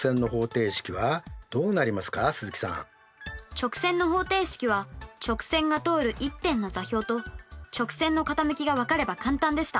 直線の方程式は直線が通る１点の座標と直線の傾きが分かれば簡単でした。